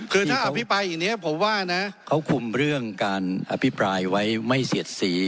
คือถ้าอภิปรายอย่างนี้ผมว่านะเขาคุมเรื่องการอภิปรายไว้ไม่เสียดสี